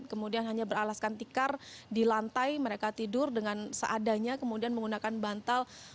kemudian hanya beralaskan tikar di lantai mereka tidur dengan seadanya kemudian menggunakan bantal